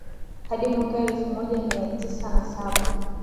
hadi mwaka elfu moja mia tisa na saba